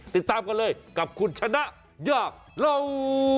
ติดตามกันเลยกับคุณชนะยากเล่า